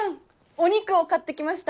お肉を買ってきました。